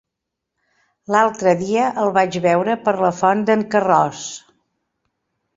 L'altre dia el vaig veure per la Font d'en Carròs.